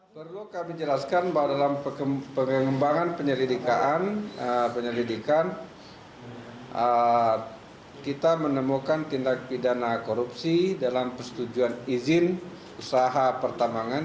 perlu kami jelaskan bahwa dalam pengembangan penyelidikan kita menemukan tindak pidana korupsi dalam persetujuan izin usaha pertambangan